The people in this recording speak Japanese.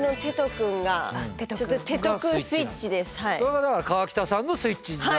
それがだから河北さんのスイッチになる。